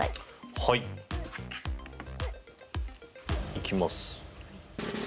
いきます。